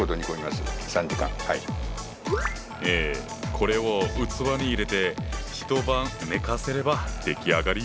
これを器に入れて一晩寝かせれば出来上がり。